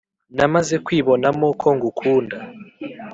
namaze kwibonamo ko ngukunda